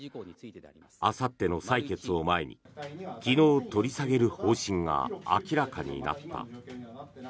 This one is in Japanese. あさっての採決を前に昨日取り下げる方針が明らかになった。